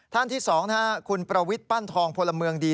ท่านที่๒คุณประวิทย์ปั้นทองพลเมืองดี